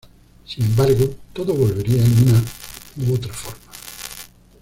Sin embargo, todo volvería en una u otra forma.